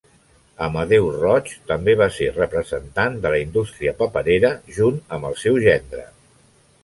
Amadeu Roig també va ser representant de la indústria paperera junt amb el seu gendre.